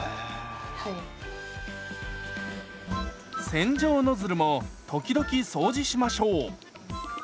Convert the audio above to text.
洗浄ノズルも時々掃除しましょう。